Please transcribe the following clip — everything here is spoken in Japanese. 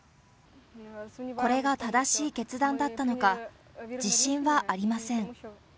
これが正しい決断だったのか、自信はありません。